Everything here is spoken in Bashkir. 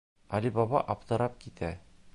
Али Баба аптырап китә: